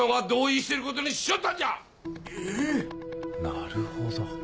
なるほど。